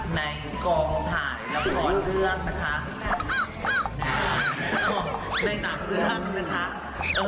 ในกองถ่ายละครเรื่องนะคะในนามเรื่องนะคะ